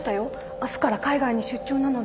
明日から海外に出張なので。